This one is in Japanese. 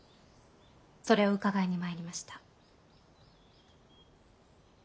それを伺いに参りました。